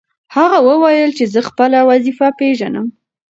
هغه وویل چې زه خپله وظیفه پېژنم.